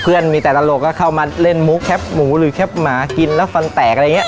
เพื่อนมีแต่ตลกก็เข้ามาเล่นหมูแคปหมูหรือแคปหมากินแล้วฟันแตกอะไรอย่างนี้